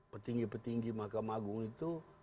petinggi petinggi mahkamah agung itu